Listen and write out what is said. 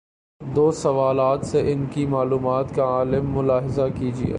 دو سوالات سے ان کی معلومات کا عالم ملاحظہ کیجیے۔